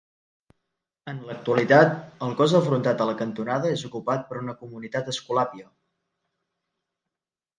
En l'actualitat, el cos afrontat a la cantonada és ocupat per una comunitat escolàpia.